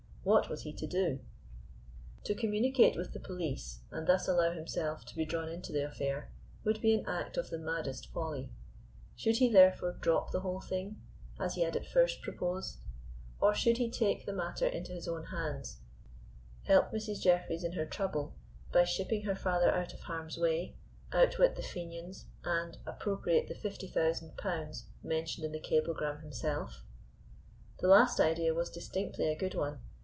What was he to do? To communicate with the police and thus allow himself to be drawn into the affair, would be an act of the maddest folly; should he therefore drop the whole thing, as he had at first proposed, or should he take the matter into his own hands, help Mrs. Jeffreys in her trouble by shipping her father out of harm's way, outwit the Fenians, and appropriate the fifty thousand pounds mentioned in the cablegram himself? The last idea was distinctly a good one.